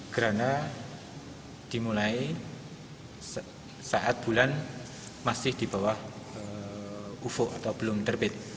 gerhana dimulai saat bulan masih di bawah ufuk atau belum terbit